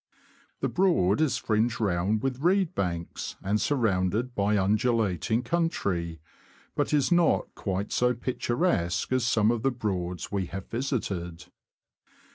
The Broad is fringed round with reed banks, and surrounded by undulating country, but is not quite so picturesque as some of the Broads we have visited.